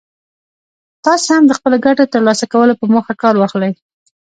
تاسې هم د خپلو ګټو ترلاسه کولو په موخه کار واخلئ.